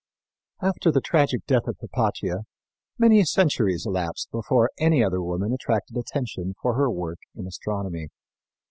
After the tragic death of Hypatia many centuries elapsed before any other woman attracted attention for her work in astronomy.